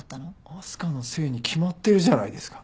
明日香のせいに決まってるじゃないですか。